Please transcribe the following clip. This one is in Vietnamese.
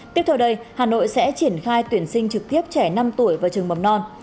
tiếp theo đây hà nội sẽ triển khai tuyển sinh trực tiếp trẻ năm tuổi vào trường mầm non